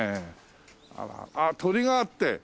あっ鳥があって。